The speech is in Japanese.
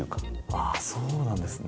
あそうなんですね。